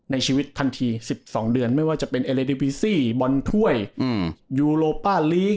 ในชีวิตทันทีสิบสองเดือนไม่ว่าจะเป็นบอนถ้วยอืม